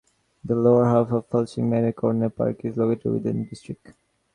The lower half of Flushing Meadows–Corona Park is located within the district.